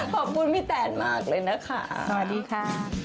ขอบคุณพี่แตนมากเลยนะคะสวัสดีค่ะ